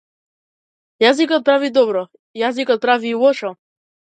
Јазикот прави добро, јазикот прави и лошо.